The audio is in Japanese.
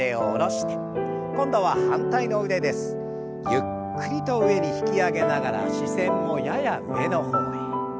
ゆっくりと上に引き上げながら視線もやや上の方へ。